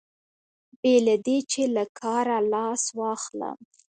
بې له دې چې له کاره لاس واخلم.